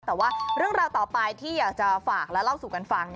แต่ว่าเรื่องราวต่อไปที่อยากจะฝากและเล่าสู่กันฟัง